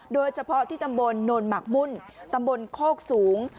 โดยเฉพาะที่ตำบลโนนหมักมุ่นตำบลโคกสูง